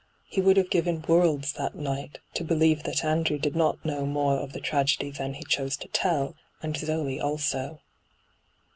He would have given worlds that night to believe that Andrew did not know more of the tragedy than he chose to tell, and Zoe also.